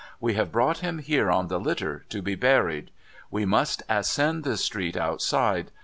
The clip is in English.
We have brought him here on the litter, to be buried. ^Ve must ascend the street outside.